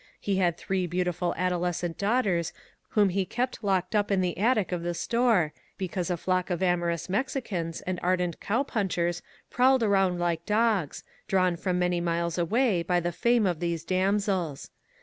He had three beautiful adolescent daughters whom he kept locked up in the attic of the store, because a flock of amorous Mexicans and ardent cow punchers prowled around like dogs, drawn from many miles away by the fame of these damsels.